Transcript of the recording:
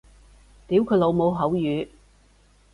屌佢老母口語